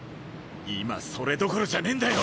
今それどころじゃねぇんだよ。